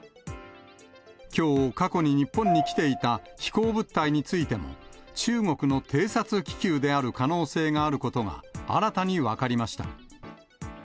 きょう、過去に日本に来ていた飛行物体についても、中国の偵察気球である可能性があることが、新たに分かりました。